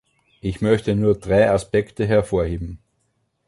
Ich möchte nur drei Aspekte hervorheben.